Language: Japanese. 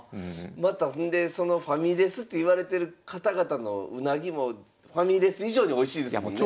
またほんでそのファミレスっていわれてる方々のウナギもファミレス以上においしいですもんね。